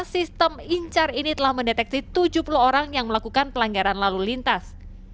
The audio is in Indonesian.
sistem incar ini telah mendeteksi tujuh puluh orang yang melakukan pelanggaran lalu lintas